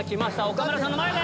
岡村さんの前で。